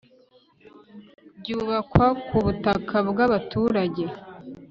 byubakwa ku butaka bw abaturage